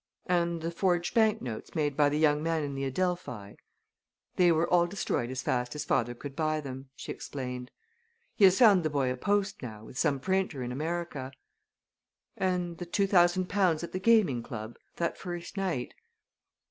"And the forged banknotes made by the young man in the Adelphi?" "They were all destroyed as fast as father could buy them," she explained. "He has found the boy a post now with some printer in America." "And the two thousand pounds at the gaming club that first night?"